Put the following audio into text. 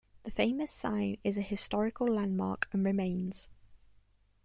The famous sign is a historical landmark and remains.